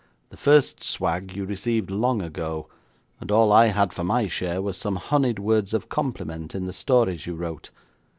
The first swag you received long ago, and all I had for my share was some honeyed words of compliment in the stories you wrote.